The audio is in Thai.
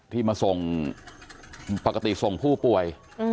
ที่มาส่งปกติส่งผู้ป่วย